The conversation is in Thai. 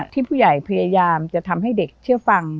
ผู้ใหญ่พยายามจะทำให้เด็กเชื่อฟัง